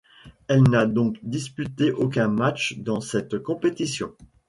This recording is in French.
Elle n'a donc disputé aucun match dans cette compétition.